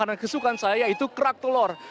makanan kesukaan saya yaitu kerak telur